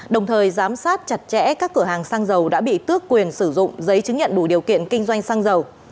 đồng thời giám sát chặt chẽ các cửa hàng xăng dầu đã bị tước quyền sử dụng giấy chứng nhận đủ điều kiện kinh doanh xăng dầu